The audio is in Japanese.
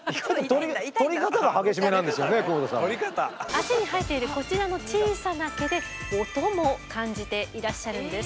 脚に生えているこちらの小さな毛で音も感じていらっしゃるんです。